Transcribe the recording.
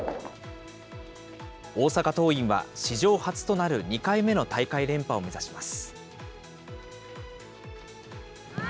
大阪桐蔭は史上初となる２回目の大会連覇を目指します。